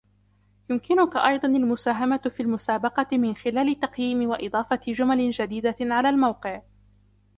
يمكنك ايضا المساهمة في المسابقة من خلال تقييم و اضافة جمل جديدة على الموقع: